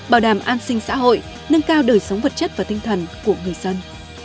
bảo đảm an sinh xã hội nâng cao đời sống vật chất và tinh thần của người dân